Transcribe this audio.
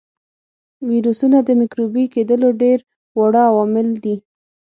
ویروسونه د مکروبي کېدلو ډېر واړه عوامل دي.